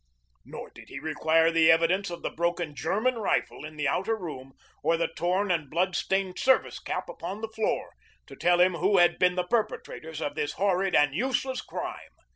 Nor did he require the evidence of the broken German rifle in the outer room, or the torn and blood stained service cap upon the floor, to tell him who had been the perpetrators of this horrid and useless crime.